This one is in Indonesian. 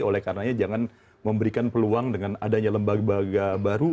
oleh karenanya jangan memberikan peluang dengan adanya lembaga baru